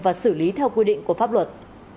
và xử lý theo quy định của pháp luật